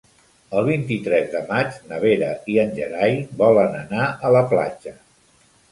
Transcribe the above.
El vint-i-tres de maig na Vera i en Gerai volen anar a la platja.